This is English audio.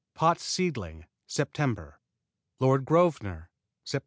Pott's Seedling Sept. Lord Grosvenor Sept.